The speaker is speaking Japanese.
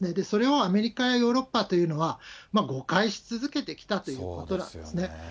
それをアメリカやヨーロッパというのは、誤解し続けてきたということなんですね。